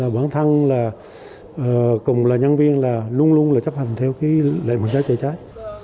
bản thân cùng nhân viên luôn luôn chấp hành theo lệnh phòng cháy chữa cháy